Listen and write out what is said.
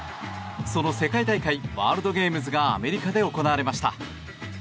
その世界大会ワールドゲームズがアメリカで行われました。